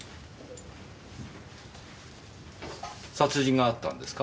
殺人があったんですか？